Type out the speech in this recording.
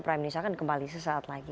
prime news akan kembali sesaat lagi